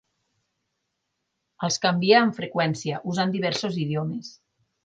Els canvia amb freqüència, usant diversos idiomes.